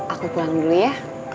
aku pulang dulu ya